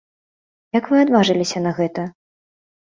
Як вы адважыліся на гэта?